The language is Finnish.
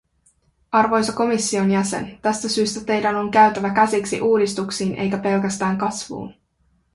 Arvoisa komission jäsen, tästä syystä teidän on käytävä käsiksi uudistuksiin eikä pelkästään kasvuun.